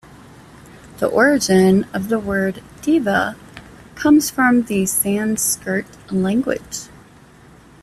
The origin of the word 'deva' comes from the Sanskrit language.